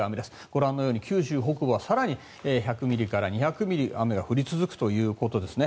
ご覧のように九州北部は更に１００ミリから２００ミリ雨が降り続くということですね。